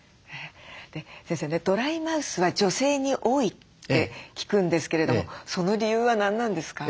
先生ねドライマウスは女性に多いって聞くんですけれどもその理由は何なんですか？